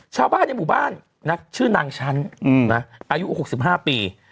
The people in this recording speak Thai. ชาวบ้านในหมู่บ้านชื่อนางชั้นอายุ๖๕ปี